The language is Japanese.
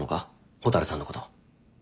蛍さんのこと。